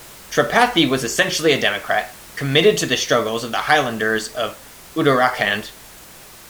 Tripathi was essentially a democrat, committed to the struggles of the Highlanders of Uttarakhand.